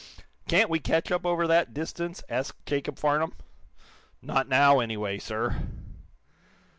"Can't we catch up over that distance?" asked Jacob Farnum. "Not now, anyway, sir."